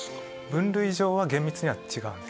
分類上は厳密には違うんです。